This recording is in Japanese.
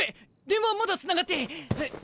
電話まだつながって。